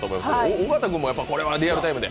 尾形君もこれはリアルたいむで？